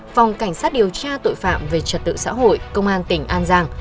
phòng cảnh sát điều tra tội phạm về trật tự xã hội công an tỉnh an giang